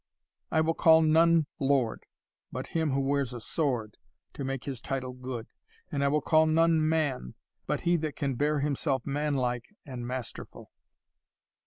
I will call none lord, but him who wears a sword to make his title good; and I will call none man, but he that can bear himself manlike and masterful."